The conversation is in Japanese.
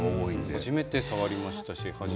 初めて触りましたし。